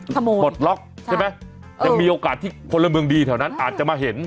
ขโมยปลดล็อกใช่ไหมยังมีโอกาสที่พลเมืองดีแถวนั้นอาจจะมาเห็น